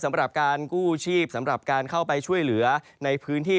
สำหรับการกู้ชีพสำหรับการเข้าไปช่วยเหลือในพื้นที่